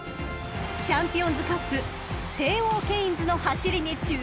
［チャンピオンズカップテーオーケインズの走りに注目］